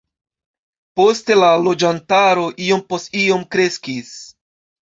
Poste la loĝantaro iom post iom kreskis.